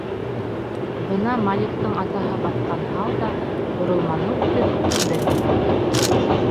Бына Маликтың атаһы баҫҡан һал да, боролманы үтеп, күҙҙән юғалды.